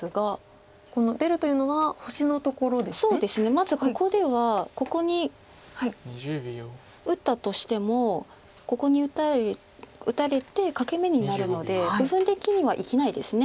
まずここではここに打ったとしてもここに打たれて欠け眼になるので部分的には生きないです。